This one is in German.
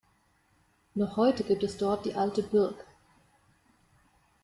Noch heute gibt es dort die Alte Bürg.